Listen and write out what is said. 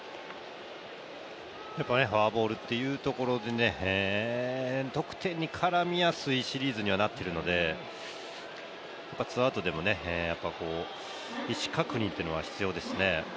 フォアボールというところで、得点に絡みやすいシリーズにはなってるので、ツーアウトでも意思確認というのが必要ですよね。